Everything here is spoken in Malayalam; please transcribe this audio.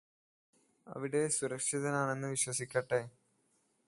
അവിടെ സുരക്ഷിതനാണെന്ന് വിശ്വസിക്കട്ടെ